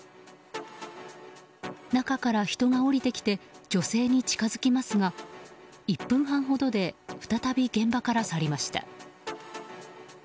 中から人が降りてきて女性に近づきますが１分半ほどで再び現場から去りました。